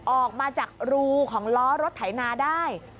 ออกมาจากรูของล้อรถไถนาได้